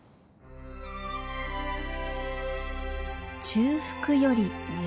中腹より上。